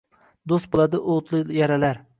Do’st bo’ladi o’tli yaralar